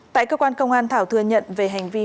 tại cơ quan công an thảo thừa nhận về hành vi